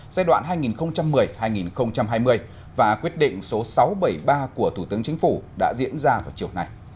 giai đoạn hai nghìn một mươi hai nghìn hai mươi và quyết định số sáu trăm bảy mươi ba của thủ tướng chính phủ đã diễn ra vào chiều nay